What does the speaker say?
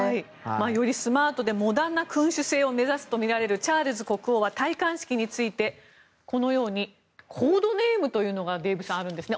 よりスマートでモダンな君主制を目指すとみられるチャールズ国王は戴冠式についてこのようにコードネームというのがデーブさん、あるんですね。